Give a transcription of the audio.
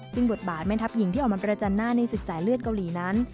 ซึ่งบทบาทแม่ทัพหญิงที่ออกมาประจันหน้าในศึกสายเลือดเกาหลีนั้น